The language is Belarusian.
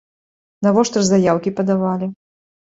Навошта ж заяўкі падавалі?